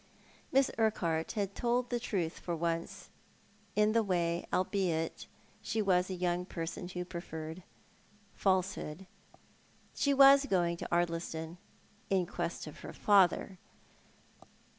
Miss Urquhart had told the truth for once iu the way, albeit she was a young person who preferred falsehood. iShe was going to Ardlistou — iu quest of her father.